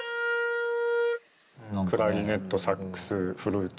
クラリネットサックスフルート。